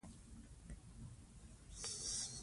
هغه مهال حماسي سبک په ادبیاتو کې کم و.